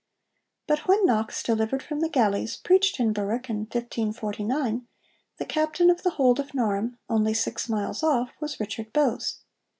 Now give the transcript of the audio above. But when Knox, delivered from the galleys, preached in Berwick in 1549, the Captain of the Hold of Norham, only six miles off, was Richard Bowes.